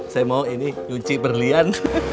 saya mau ini nyuci berlian